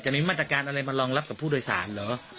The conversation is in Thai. มีมาตรการอะไรมารองรับกับผู้โดยสารเหรอ